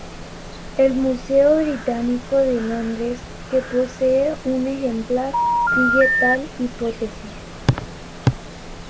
El Museo Británico de Londres, que posee un ejemplar, sigue tal hipótesis.